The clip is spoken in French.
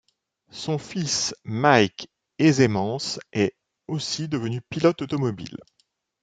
Son fils Mike Hezemans est aussi devenu un pilote automobile.